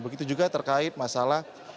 begitu juga terkait masalah